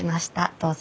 どうぞ。